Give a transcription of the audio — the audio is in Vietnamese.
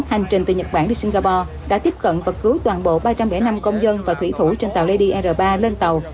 hành trình từ nhật bản đi singapore đã tiếp cận và cứu toàn bộ ba trăm linh năm công dân và thủy thủ trên tàu led r ba lên tàu